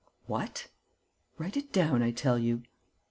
"What?" "Write it down, I tell you."